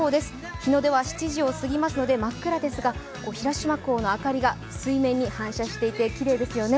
日の出は７時を過ぎますので真っ暗ですが、広島港の明かりが水面に反射していてきれいですよね。